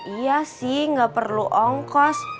iya sih nggak perlu ongkos